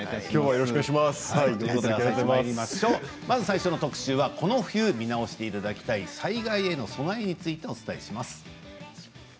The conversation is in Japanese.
まず最初の特集はこの冬見直していただきたい災害への備えについてお伝えします。